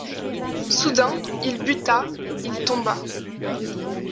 Soudain il buta, il tomba...